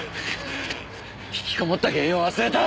引きこもった原因を忘れた？